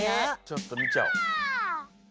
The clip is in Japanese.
ちょっとみちゃおう。